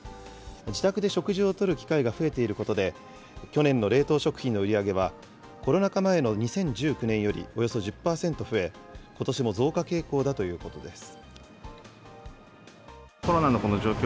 自宅で食事をとる機会が増えていることで、去年の冷凍食品の売り上げは、コロナ禍前の２０１９年よりおよそ１０％増え、ことしも増加傾向だということです。